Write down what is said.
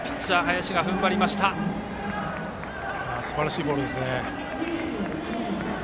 こちらもすばらしいボールですね。